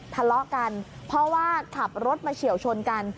ทะเลาะกันเพราะว่าขับรถมาเฉียวชนกัน